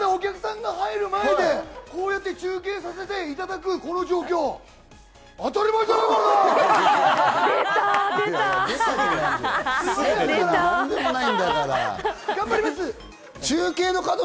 まだお客さんが入る前でこうやって中継させていただくこの状況、当たり前じゃねぇからな！